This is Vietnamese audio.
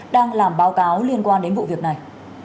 đang làm báo cáo liên quan đến vụ việc này